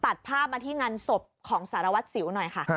ตัดภาพมาที่งานศพของสารวัตรสิวหน่อยค่ะ